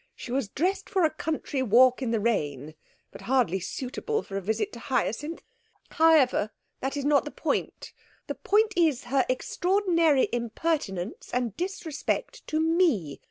She was dressed for a country walk in the rain, but hardly suitable for a visit to Hyacinth. How ever, that is not the point. The point is her extraordinary impertinence and disrespect to me.